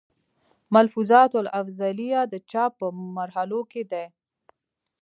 ملفوظات الافضلېه، د چاپ پۀ مرحلو کښې دی